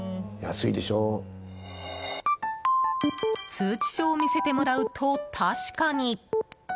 通知書を見せてもらうと確かに。